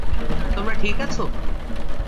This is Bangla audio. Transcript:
তোমরা ঠিক আছো?